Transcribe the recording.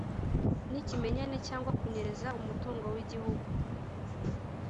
n’ikimenyane cyangwa kunyereza umutungo w'Igihugu.